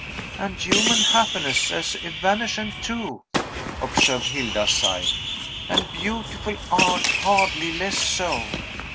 "And human happiness as evanescent too," observed Hilda, sighing; "and beautiful art hardly less so!